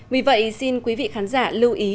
vì vậy xin quý vị khán giả lưu ý